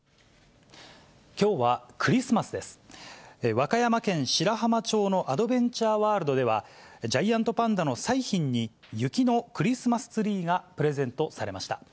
和歌山県白浜町のアドベンチャーワールドでは、ジャイアントパンダの彩浜に、雪のクリスマスツリーがプレゼントされました。